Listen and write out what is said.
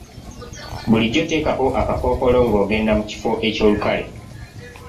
Bulijjo teekako akakkookolo ng'ogenda mu kifo ekyolukale.